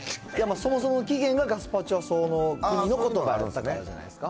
そもそも起源がガスパチョ、その国のことばなんじゃないですか。